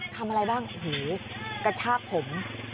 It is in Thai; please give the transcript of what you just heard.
ทำอะไรบ้างโอ้โหกระชากผม